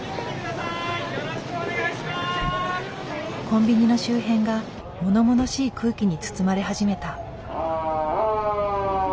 コンビニの周辺がものものしい空気に包まれ始めた。